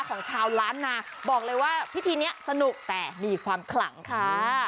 ของชาวล้านนาบอกเลยว่าพิธีนี้สนุกแต่มีความขลังค่ะ